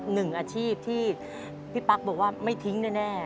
หนึ่งอาชีพที่พี่ปั๊กบอกว่าไม่ทิ้งแน่